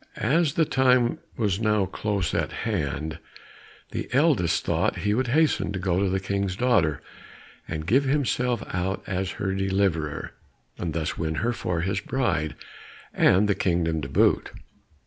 As the time was now close at hand, the eldest thought he would hasten to go to the King's daughter, and give himself out as her deliverer, and thus win her for his bride, and the kingdom to boot.